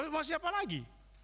masih apa lagi